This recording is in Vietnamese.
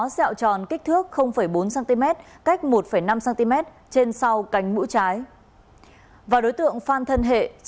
xin chào các bạn